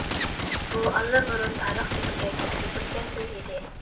بۇ ئاللىبۇرۇن تارىخ بېتىگە كىرگۈزۈلگەن ئۆي ئىدى.